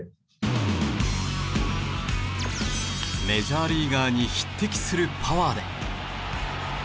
メジャーリーガーに匹敵するパワーで。